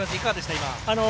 今。